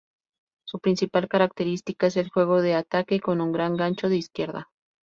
Su principal característica es el juego de ataque con un gran gancho de izquierda.